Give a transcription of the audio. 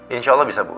insya allah bisa bu